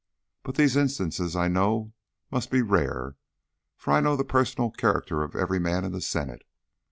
But these instances I know must be rare, for I know the personal character of every man in the Senate.